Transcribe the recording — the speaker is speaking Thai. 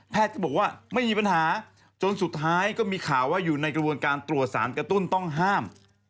ก็บอกว่าไม่มีปัญหาจนสุดท้ายก็มีข่าวว่าอยู่ในกระบวนการตรวจสารกระตุ้นต้องห้าม